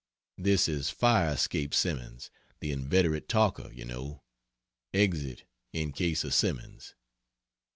This is "fire escape" Simmons, the inveterate talker, you know: "Exit in case of Simmons."